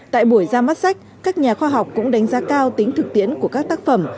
tại buổi ra mắt sách các nhà khoa học cũng đánh giá cao tính thực tiễn của các tác phẩm